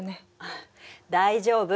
大丈夫。